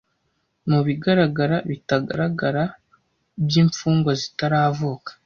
mubigaragara bitagaragara by imfungwa zitaravuka